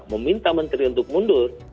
meminta menteri untuk mundur